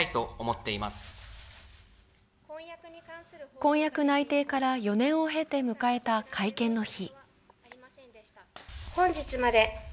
婚約内定から４年を経て迎えた会見の日。